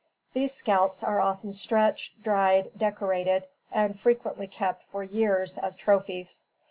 These scalps are often stretched, dried, decorated and frequently kept for years as trophies.